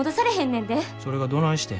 それがどないしてん。